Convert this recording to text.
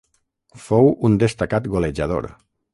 Fou un destacat golejador.